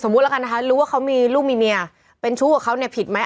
แล้วกันนะคะรู้ว่าเขามีลูกมีเมียเป็นชู้กับเขาเนี่ยผิดไหม